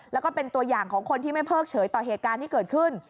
แล้วก็เป็นตัวอย่างของคนที่ไม่เพิกเฉยต่อเหตุการณ์ที่เกิดขึ้น